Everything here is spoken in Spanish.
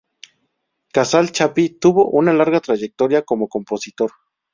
Casal Chapí tuvo una larga trayectoria como compositor.